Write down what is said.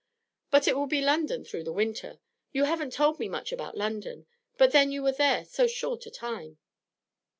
'But it will be London through the winter. You haven't told me much about London; but then you were there so short a time.'